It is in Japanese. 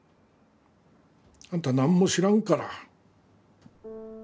あんたなんも知らんから。